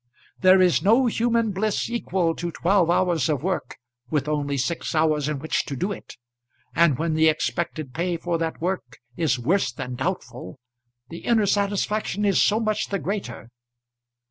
There is no human bliss equal to twelve hours of work with only six hours in which to do it. And when the expected pay for that work is worse than doubtful, the inner satisfaction is so much the greater.